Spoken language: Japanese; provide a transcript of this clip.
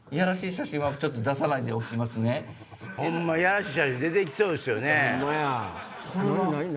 写真は出さないでおきますね。